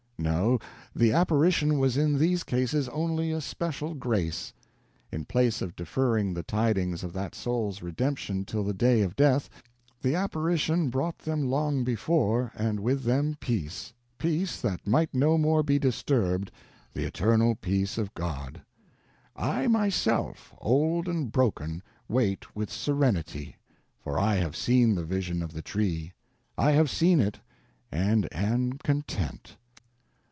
No; the apparition was in these cases only a special grace; in place of deferring the tidings of that soul's redemption till the day of death, the apparition brought them long before, and with them peace—peace that might no more be disturbed—the eternal peace of God. I myself, old and broken, wait with serenity; for I have seen the vision of the Tree. I have seen it, and am content.